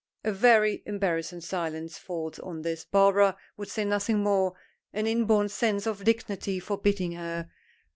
A very embarrassing silence falls on this, Barbara would say nothing more, an inborn sense of dignity forbidding her.